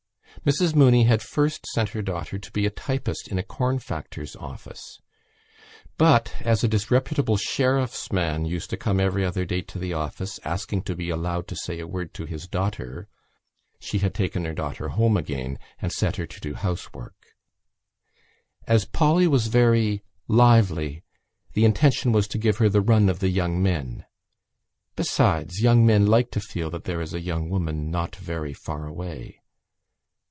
Mrs Mooney had first sent her daughter to be a typist in a corn factor's office but, as a disreputable sheriff's man used to come every other day to the office, asking to be allowed to say a word to his daughter, she had taken her daughter home again and set her to do housework. As Polly was very lively the intention was to give her the run of the young men. Besides, young men like to feel that there is a young woman not very far away.